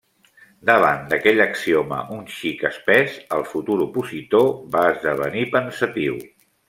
Davant d'aquell axioma un xic espès, el futur opositor va esdevenir pensatiu.